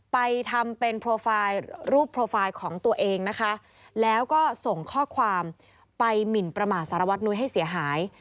ไปทำเป็นโปรไฟล์รูปโปรไฟล์ของตัวเองนะคะแล้วก็ส่งข้อความไปหมินประมาทสารวัตนุ้ยให้เสียหาย